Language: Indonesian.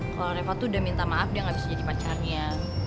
kalau reva tuh udah minta maaf dia nggak bisa jadi pacarnya